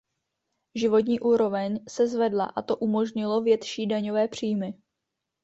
Životní úroveň se zvedla a to umožnilo větší daňové příjmy.